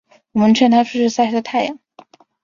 我们劝她出去晒晒太阳